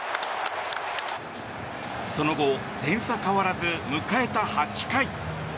その後、点差変わらず迎えた８回。